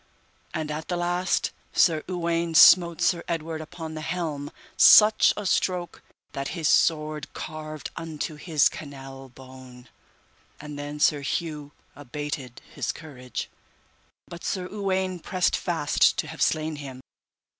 And at the last Sir Uwaine smote Sir Edward upon the helm such a stroke that his sword carved unto his canel bone, and then Sir Hue abated his courage, but Sir Uwaine pressed fast to have slain him.